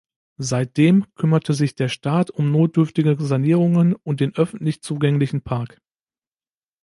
Seitdem kümmerte sich der Staat um notdürftige Sanierungen und den öffentlich zugänglichen Park.